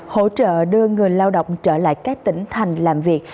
hỗ trợ đưa người lao động trở lại các tỉnh thành làm việc